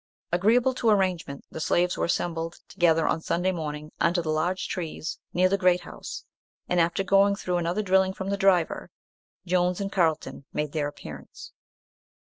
Agreeable to arrangement the slaves were assembled together on Sunday morning under the large trees near the great house, and after going through another drilling from the driver, Jones and Carlton made their appearance.